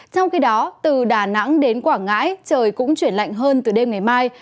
trong khi đó từ đà nẵng đến quảng ngãi trời cũng chuyển lạnh hơn từ đêm ngày mai